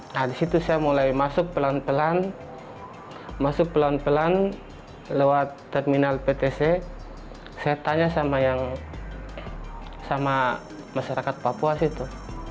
nah disitu saya mulai masuk pelan pelan masuk pelan pelan lewat terminal ptc saya tanya sama yang sama masyarakat papua situ